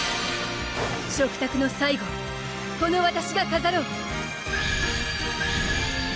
食卓の最後をこのわたしが飾ろう！